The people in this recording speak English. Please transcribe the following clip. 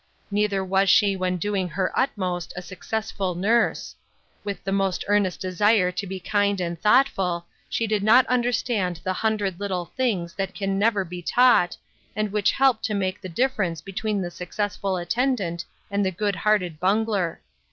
Neither was she when doing her utmost a successful nurse ; with the most earnest desire to be kind and thoughtful, she did not under stand the hundred little things that can never be taught, and which help to make the difference between the successful attendant and the good hearted bungler.